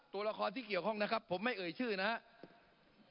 ตัวละครที่เกี่ยวข้องนะครับผมไม่เอ่ยชื่อนะครับ